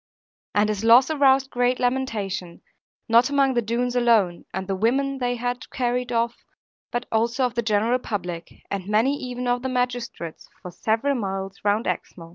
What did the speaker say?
And his loss aroused great lamentation, not among the Doones alone, and the women they had carried off, but also of the general public, and many even of the magistrates, for several miles round Exmoor.